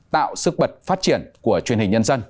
tạo sức bật phát triển của truyền hình nhân dân